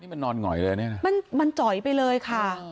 นี่มันนอนหง่อยเลยมันจอยไปเลยค่ะ